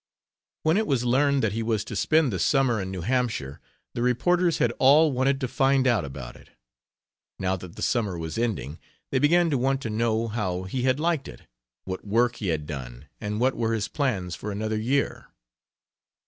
When it was learned that he was to spend the summer in New Hampshire, the reporters had all wanted to find out about it. Now that the summer was ending, they began to want to know how he had liked it, what work he had done and what were his plans for another year.